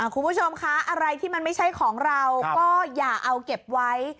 คุณผู้ชมคะอะไรที่มันไม่ใช่ของเราก็อย่าเอาเก็บไว้